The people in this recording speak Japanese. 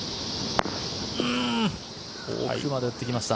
奥まで打ってきました。